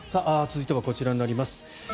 続いてはこちらになります。